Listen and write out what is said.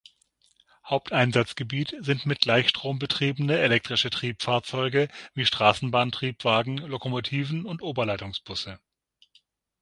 Haupteinsatzgebiet sind mit Gleichstrom betriebene elektrische Triebfahrzeuge wie Straßenbahntriebwagen, Lokomotiven und Oberleitungsbusse.